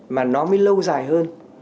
mà nó mới lâu dài hơn